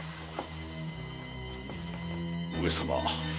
上様。